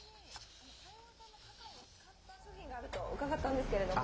こちらに台湾産のカカオを使った商品があると伺ったんですけれども。